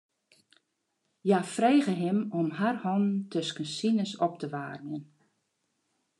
Hja frege him om har hannen tusken sines op te waarmjen.